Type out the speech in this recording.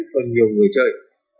cho nhiều người chơi